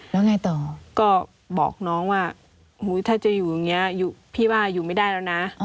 แล้วไงต่อก็บอกน้องว่าถ้าจะอยู่อย่างนี้พี่ว่าอยู่ไม่ได้แล้วนะ